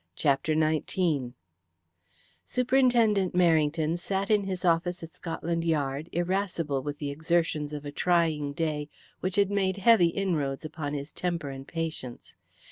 CHAPTER XIX Superintendent Merrington sat in his office at Scotland Yard, irascible with the exertions of a trying day which had made heavy inroads upon his temper and patience.